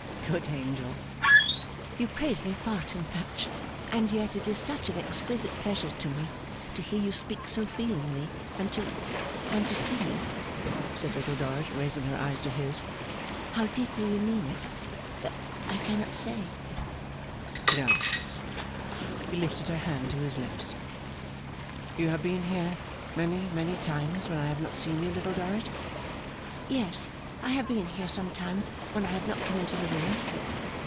Good angel!' 'You praise me far too much. And yet it is such an exquisite pleasure to me to hear you speak so feelingly, and to and to see,' said Little Dorrit, raising her eyes to his, 'how deeply you mean it, that I cannot say Don't.' He lifted her hand to his lips. 'You have been here many, many times, when I have not seen you, Little Dorrit?' 'Yes, I have been here sometimes when I have not come into the room.